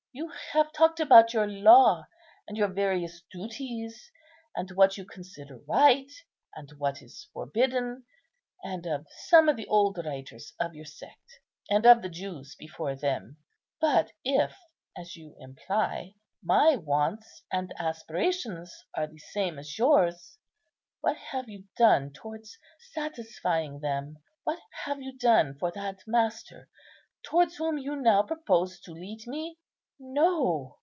You have talked about your law and your various duties, and what you consider right, and what is forbidden, and of some of the old writers of your sect, and of the Jews before them; but if, as you imply, my wants and aspirations are the same as yours, what have you done towards satisfying them? what have you done for that Master towards whom you now propose to lead me? No!"